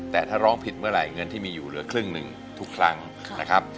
แต่ถ้าร้องผิดเมื่อไหร่เงินที่มีอยู่เหลือครึ่งหนึ่งทุกครั้งนะครับ